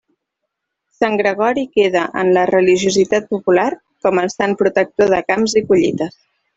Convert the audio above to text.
Sant Gregori queda en la religiositat popular com el sant protector de camps i collites.